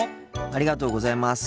ありがとうございます。